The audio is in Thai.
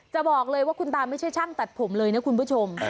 จะบอกเลยว่าคุณตาไม่ใช่ช่างตัดผมเลยนะคุณผู้ชม